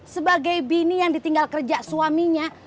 sebagai bini yang ditinggal kerja suaminya